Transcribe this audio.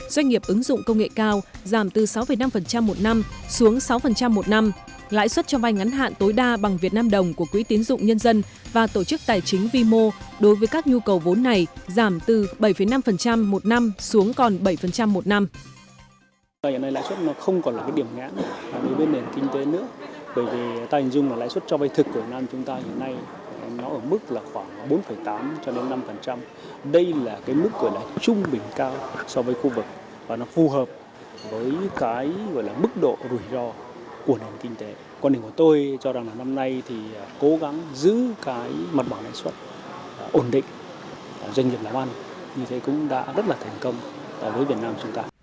doanh nghiệp ứng dụng công nghệ cao giảm từ sáu năm một năm xuống sáu một năm lãi suất cho vay ngắn hạn tối đa bằng việt nam đồng của quỹ tiến dụng nhân dân và tổ chức tài chính vimo đối với các nhu cầu vốn này giảm từ bảy năm một năm xuống còn bảy một năm